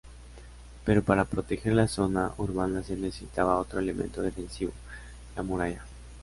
Pero para proteger la zona urbana se necesitaba otro elemento defensivo, la muralla.